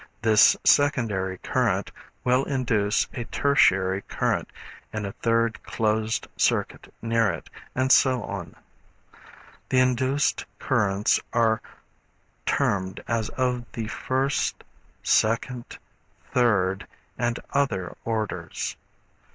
This secondary current will induce a tertiary current in a third closed circuit near it, and so on. The induced currents are termed as of the first, second, third and other orders.